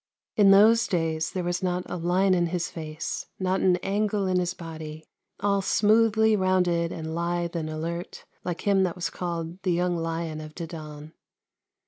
In those days there was not a line in his face, not an angle in his body — all smoothly rounded and lithe and alert, like him that was called " the young lion of Dedan."